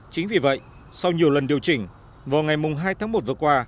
chính vì vậy sau nhiều lần điều chỉnh vào ngày hai tháng một vừa qua